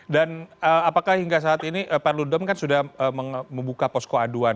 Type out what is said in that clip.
dan apakah hingga saat ini pak ludom kan sudah membuka posko aduan